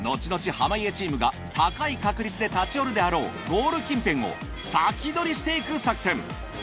濱家チームが高い確率で立ち寄るであろうゴール近辺を先取りしていく作戦。